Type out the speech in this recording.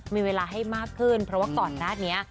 มีเวลาให้มากขึ้นเพราะว่าก่อนหน้านี้